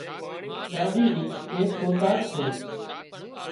ڏاڏا نِي ايڪ اوطاق سي